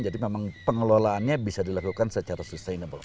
jadi memang pengelolaannya bisa dilakukan secara sustainable